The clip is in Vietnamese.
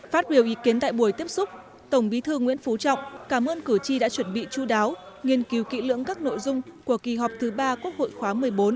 phát biểu ý kiến tại buổi tiếp xúc tổng bí thư nguyễn phú trọng cảm ơn cử tri đã chuẩn bị chú đáo nghiên cứu kỹ lưỡng các nội dung của kỳ họp thứ ba quốc hội khóa một mươi bốn